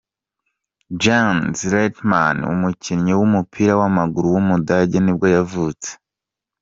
Jens Lehmann, umukinnyi w’umupira w’amaguru w’umudage nibwo yavutse.